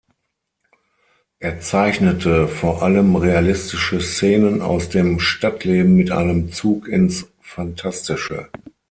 Er zeichnete vor allem realistische Szenen aus dem Stadtleben mit einem Zug ins Phantastische.